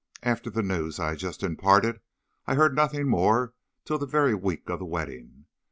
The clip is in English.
After the news I had just imparted, I heard nothing more till the very week of the wedding.